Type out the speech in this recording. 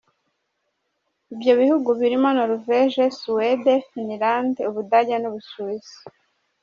Ibyo bihugu birimo Norvège, Suède, Finland, u Budage n’u Busuwisi.